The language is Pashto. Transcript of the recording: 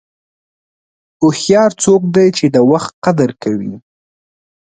هوښیار څوک دی چې د وخت قدر کوي.